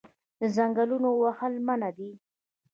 د ځنګلونو وهل منع دي